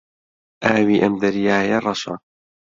ئاوی ئەم دەریایە ڕەشە.